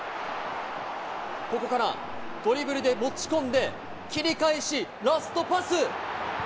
ここから、ドリブルで持ち込んで、切り返し、ラストパス。